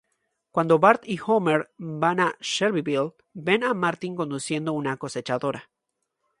Cuando Bart y Homer van a Shelbyville, ven a Martin conduciendo una cosechadora.